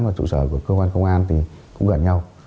và trụ sở của cơ quan công an thì cũng gần nhau